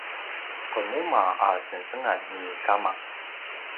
qemuma a sengsengan ni kama